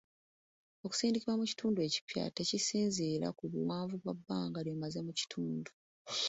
Okusindikibwa mu kitundu ekipya tekisinziira ku buwanvu bwa bbanga ly'omaze mu kitundu.